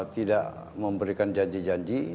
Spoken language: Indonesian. tidak memberikan janji janji